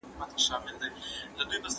ماشومان بې میني نه لویږي.